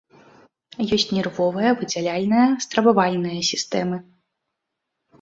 Ёсць нервовая, выдзяляльная, стрававальная сістэмы.